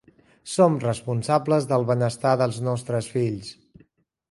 Som responsables del benestar dels nostres fills.